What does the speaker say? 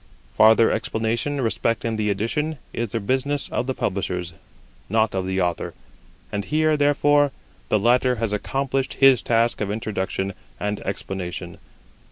Farther explanation respecting the Edition is the business of the publishers, not of the Author; and here, therefore, the latter has accomplished his task of introduction and explanation.